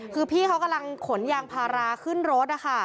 คือพี่เขากำลังขนยางพาราขึ้นรถนะคะ